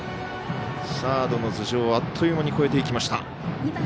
サードの頭上をあっという間に越えていきました。